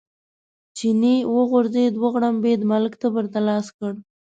چیني وغورېد، وغړمبېد، ملک تبر ته لاس کړ.